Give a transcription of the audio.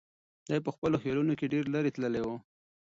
دی په خپلو خیالونو کې ډېر لرې تللی و.